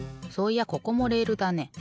そういやここもレールだね。